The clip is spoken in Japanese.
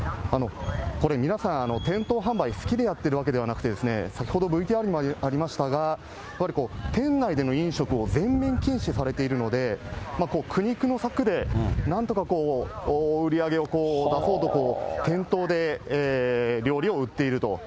これ皆さん、店頭販売、好きでやってるわけではなくて、先ほど、ＶＴＲにもありましたが、やはり店内での飲食を全面禁止されているので、苦肉の策でなんとか売り上げを出そうと、店頭で料理を売っていると。